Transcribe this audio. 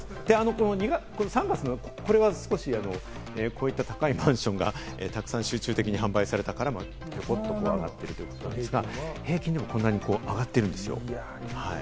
この３月のこれは少し高いマンションが集中的に販売されたから、ポコッと上がっているということなんですが、平均でもこんなに上がっているんです。